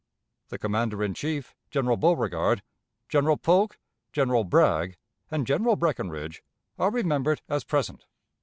The Commander in Chief, General Beauregard, General Polk, General Bragg, and General Breckinridge, are remembered as present.